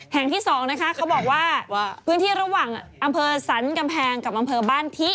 แห่งที่สองนะคะเขาบอกว่าพื้นที่ระหว่างอำเภอสันกำแพงกับอำเภอบ้านทิ